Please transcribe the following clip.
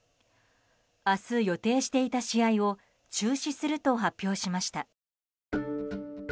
明日予定していた試合を中止すると発表しました。